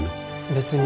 別に。